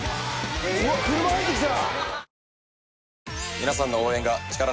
うわっ車入ってきた！